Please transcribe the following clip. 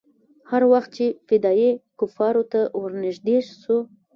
هر وخت چې فدايي کفارو ته ورنژدې سو.